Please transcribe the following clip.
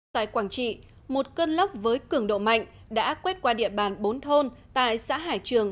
tại quảng trị một cơn lốc với cường độ mạnh đã quét qua địa bàn bốn thôn tại xã hải trường